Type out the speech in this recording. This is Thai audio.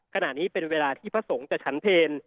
ขณะนี้เป็นเวลาที่พระสงฆ์จะฉันเพล